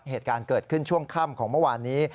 เหตุการณ์เกิดขึ้นช่วงค่ำของเมื่อวานนี้